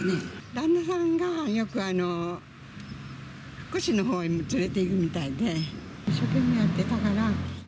旦那さんが、よく福祉のほうへ連れていくみたいで、一生懸命やってたから。